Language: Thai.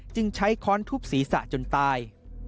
จึงใช้ค้อนทุบศีรษะจนตาย